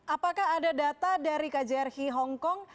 apakah ada data dari kjri hongkong